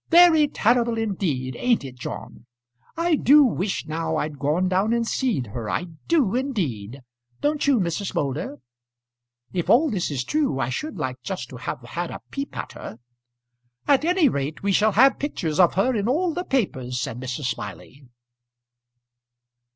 "Very terrible indeed; ain't it, John? I do wish now I'd gone down and see'd her, I do indeed. Don't you, Mrs. Moulder?" "If all this is true I should like just to have had a peep at her." "At any rate we shall have pictures of her in all the papers," said Mrs. Smiley. CHAPTER LXXVIII.